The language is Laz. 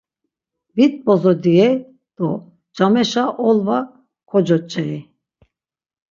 Vit bozo diyey do cameşa olva kocoç̌ey.